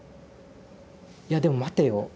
いやでも待てよ。